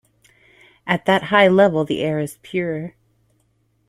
At that high level the air is pure.